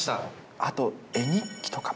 あと絵日記とかも。